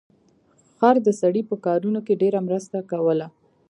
خر د سړي په کارونو کې ډیره مرسته کوله.